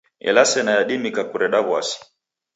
Ela sena yadimika kureda w'asi.